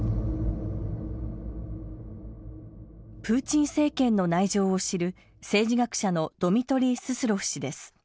プーチン政権の内情を知る政治学者のドミトリー・ススロフ氏です。